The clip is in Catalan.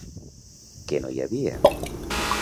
Què no hi havia?